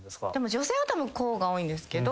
女性はたぶんこうが多いんですけど。